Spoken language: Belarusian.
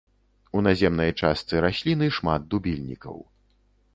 У наземнай частцы расліны шмат дубільнікаў.